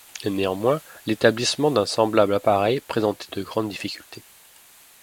Néanmoins l’établissement d’un semblable appareil présentait de grandes difficultés.